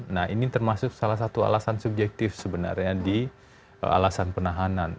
nah ini termasuk salah satu alasan subjektif sebenarnya di alasan penahanan